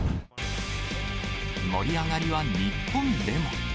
盛り上がりは日本でも。